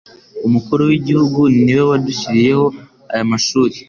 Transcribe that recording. umukuru w' igihugu niwe wadushyiriyeho aya mashuri